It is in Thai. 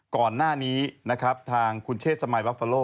ตอนนี้นะครับทางคุณเชษสมายบัฟเฟโร่